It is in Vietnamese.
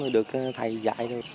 được thầy dạy rồi